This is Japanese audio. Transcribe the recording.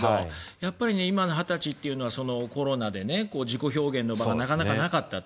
やっぱり今の２０歳というのはコロナで自己表現の場がなかなかなかったと。